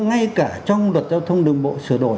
ngay cả trong luật giao thông đường bộ sửa đổi